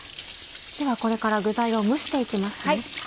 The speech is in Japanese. ではこれから具材を蒸して行きますね。